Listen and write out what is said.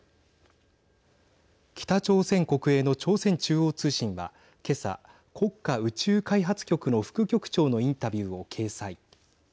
北朝鮮国営の朝鮮中央通信は今朝、国家宇宙開発局の副局長のインタビューを掲載。